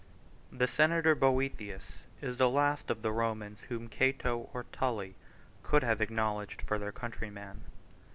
] The senator Boethius 89 is the last of the Romans whom Cato or Tully could have acknowledged for their countryman.